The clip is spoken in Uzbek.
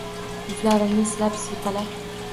Yuzlarimni silab, siypalab